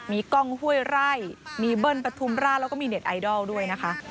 มีกล้องห้วยไร่มีเบิ้ลปฐุมราชแล้วก็มีเน็ตไอดอลด้วยนะคะ